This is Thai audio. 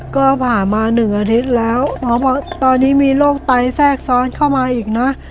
ก็ผ่ามา๑อาทิตย์แล้วหมอบอกตอนนี้มีโรคไตแทรกซ้อนเข้ามาอีกนะ